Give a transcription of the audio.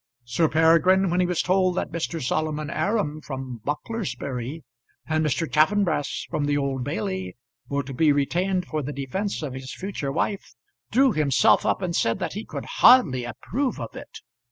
Sir Peregrine, when he was told that Mr. Solomon Aram from Bucklersbury, and Mr. Chaffanbrass from the Old Bailey, were to be retained for the defence of his future wife, drew himself up and said that he could hardly approve of it.